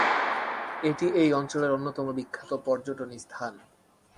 এটি এই অঞ্চলের অন্যতম বিখ্যাত পর্যটন স্থান।